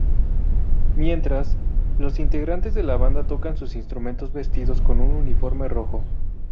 Mientras, los integrantes de la banda tocan sus instrumentos vestidos con un uniforme rojo.